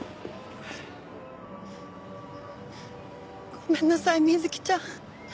ごめんなさい美月ちゃん。